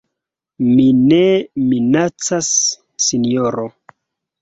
Mi ne minacas, sinjoro.